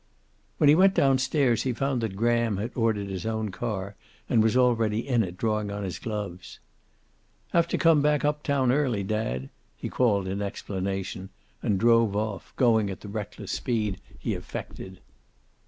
When he went down stairs he found that Graham had ordered his own car and was already in it, drawing on his gloves. "Have to come back up town early, dad," he called in explanation, and drove off, going at the reckless speed he affected.